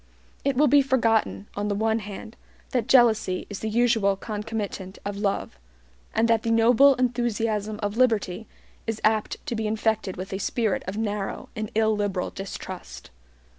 It will be forgotten, on the one hand, that jealousy is the usual concomitant of love, and that the noble enthusiasm of liberty is apt to be infected with a spirit of narrow and illiberal distrust.